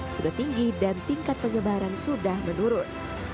sudah tinggi dan tingkat penyebaran sudah menurun